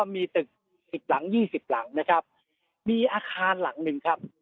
มีตึก๑๐หลัง๒๐หลังนะครับมีอาคารหลังหนึ่งครับ